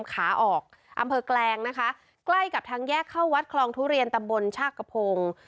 ขาออกอำเภอแกลงนะคะใกล้กับทางแยกเข้าวัดคลองทุเรียนตำบลชากระพง